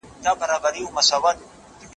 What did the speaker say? هغه ورته وايي چي زما ئې د علم له مجلس سره څه؟